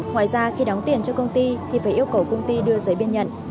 ngoài ra khi đóng tiền cho công ty thì phải yêu cầu công ty đưa giấy biên nhận